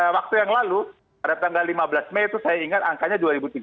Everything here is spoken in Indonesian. waktu yang lalu pada tanggal lima belas mei itu saya ingat angkanya dua ribu tiga belas